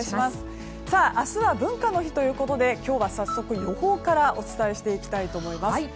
明日は文化の日ということで今日は早速予報からお伝えしていきたいと思います。